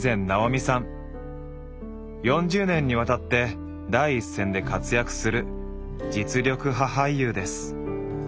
４０年にわたって第一線で活躍する実力派俳優です。